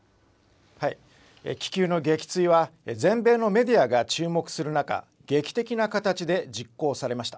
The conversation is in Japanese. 気球の撃墜は、全米のメディアが注目する中、劇的な形で実行されました。